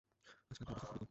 আজকাল ভাল প্রস্তাব খুবই কম।